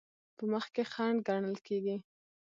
په مخ کې خنډ ګڼل کیږي.